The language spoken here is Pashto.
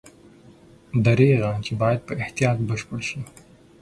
دریغه چې باید په احتیاط بشپړ شي.